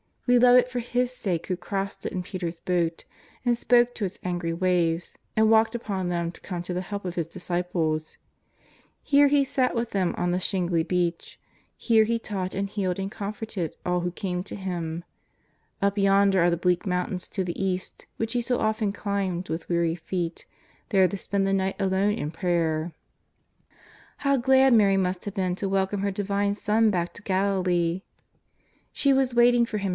We love it for His sake who crossed it in Petea'^s boat, and spoke to its angry waves, and walked upon them to come to the help ofi His disci ples. Here He sat with them on the shingly beach ; here He taught and healed and comforted all who came to Him. Up yonder are the bleak mountains to the east which He so often climbed with weary feet, there to spend the night alone in prayer. How glad Mary must have been to welcome her Divine Son back to Galilee ! She was waiting for Him 140 JESTTS OF NAZAKETH.